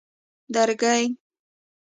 درگۍ